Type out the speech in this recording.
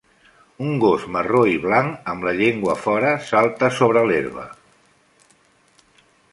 un gos marró i blanc amb la llengua fora salta sobre l'herba